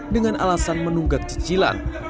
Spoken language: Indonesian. dengan alasan menunggak cicilan